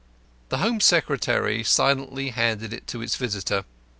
The Home Secretary silently handed it to his visitor.